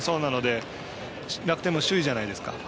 楽天も首位じゃないですか。